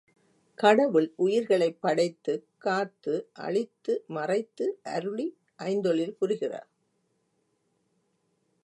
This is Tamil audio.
கடவுள் உயிர்களைப் படைத்துக் காத்து அழித்து மறைத்து அருளி ஐந்தொழில் புரிகிறார்.